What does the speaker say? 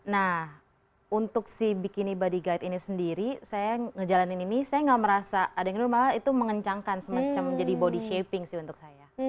nah untuk si bikini body guide ini sendiri saya ngejalanin ini saya nggak merasa ada yang dulu malah itu mengencangkan semacam jadi body shaping sih untuk saya